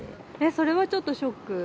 それはちょっとショック。